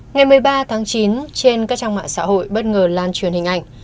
ngày một mươi ba tháng chín trên các trang mạng xã hội bất ngờ lan truyền hình ảnh